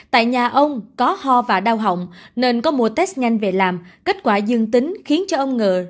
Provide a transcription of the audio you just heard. tại nhà ông có ho và đau họng nên có mùa test nhanh về làm kết quả dương tính khiến cho ông ngờ rất khó khăn